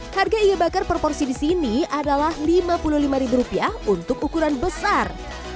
harga ikan bakar per porsi di sini adalah rp lima puluh lima untuk ukuran besar